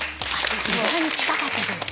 意外に近かったじゃない。